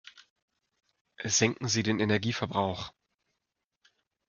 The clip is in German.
Senken Sie den Energieverbrauch!